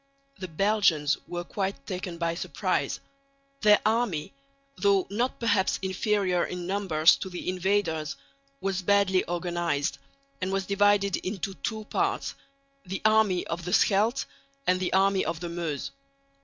The Belgians were quite taken by surprise. Their army, though not perhaps inferior in numbers to the invaders, was badly organised, and was divided into two parts the army of the Scheldt and the army of the Meuse.